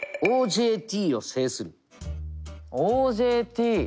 ＯＪＴ？